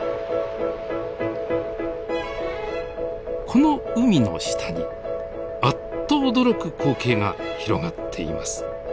この海の下にあっと驚く光景が広がっています。